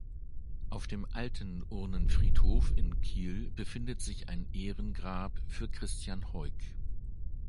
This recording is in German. Auf dem Alten Urnenfriedhof in Kiel befindet sich ein Ehrengrab für Christian Heuck.